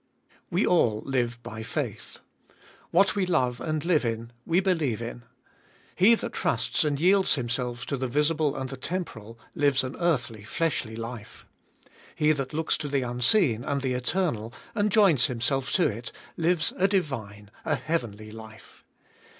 WE all live by faith. What we love and live in we believe in. He that trusts and yields himself to the visible and the temporal lives an earthly, fleshly life. He that looks to the unseen and the eternal, and joins himself to it, lives a divine, a heavenly life.